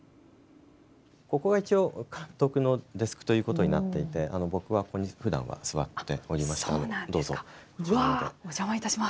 ここが一応、監督のデスクということになっていて僕は、ここにふだんは座っております。